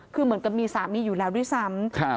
คือเหมือนกับมีสามีอยู่แล้วด้วยซ้ำ